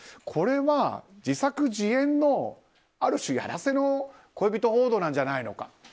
これは自作自演のある種やらせの恋人報道じゃないのか。